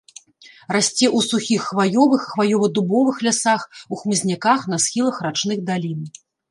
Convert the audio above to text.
Расце ў сухіх хваёвых, хваёва-дубовых лясах, у хмызняках на схілах рачных далін.